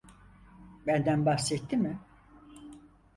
Benden bahsetti mi?